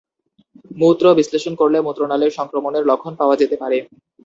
মূত্র বিশ্লেষণ করলে মূত্রনালির সংক্রমণের লক্ষণ পাওয়া যেতে পারে।